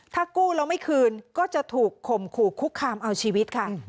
ถ้ากู้แล้วไม่คืนก็จะถูกข่มขู่คุกคามเอาชีวิตค่ะ